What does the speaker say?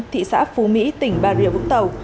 thị xã phú mỹ tỉnh bà rìa vũng tàu